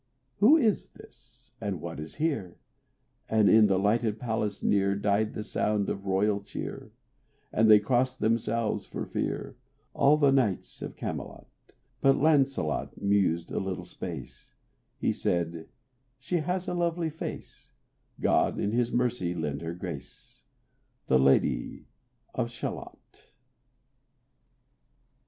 Who is this? and what is here? And in the lighted palace near Died the sound of royal cheer; And they crossed themselves for fear, All the knights at Camelot: But Lancelot mused a little space; He said, "She has a lovely face; God in His mercy lend her grace, The Lady of Shalott."